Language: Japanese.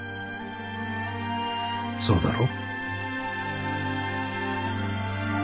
そうだろ？